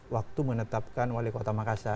waktu menetapkan wali kota makassar